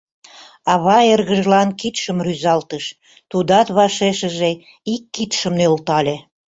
Ава эргыжлан кидшым рӱзалтыш, тудат вашешыже ик кидшым нӧлтале.